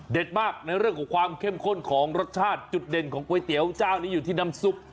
มากในเรื่องของความเข้มข้นของรสชาติจุดเด่นของก๋วยเตี๋ยวเจ้านี้อยู่ที่น้ำซุป